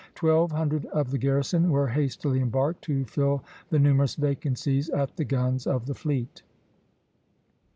Twelve hundred of the garrison were hastily embarked to fill the numerous vacancies at the guns of the fleet.